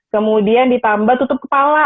kemudian ditambah tutup kepala